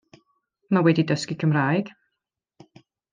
Mae wedi dysgu Cymraeg.